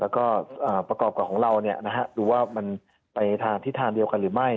แล้วก็ประกอบกับของเราดูว่ามันไปทางทิศทางเดียวกันหรือไม่